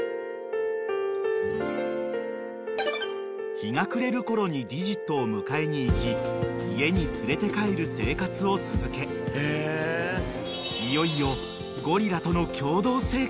［日が暮れるころにディジットを迎えに行き家に連れて帰る生活を続けいよいよ］